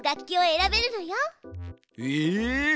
え！